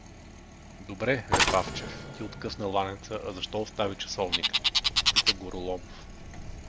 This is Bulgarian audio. — Добре, Лепавчев, ти откъсна ланеца, а защо остави часовника? — попита Гороломов.